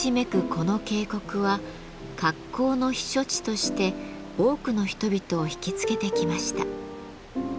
この渓谷は格好の避暑地として多くの人々を引きつけてきました。